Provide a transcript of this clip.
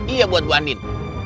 iya buat bu andin